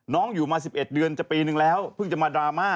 อยู่มา๑๑เดือนจะปีนึงแล้วเพิ่งจะมาดราม่า